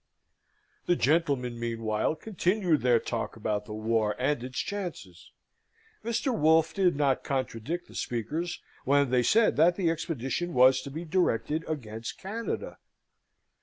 The gentlemen, meanwhile, continued their talk about the war and its chances. Mr. Wolfe did not contradict the speakers when they said that the expedition was to be directed against Canada.